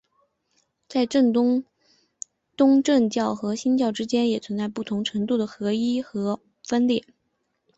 在东正教和新教之间也存在不同程度的合一与分裂。